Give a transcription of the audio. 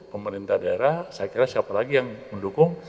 pemerintah daerah saya kira siapa lagi yang mendukung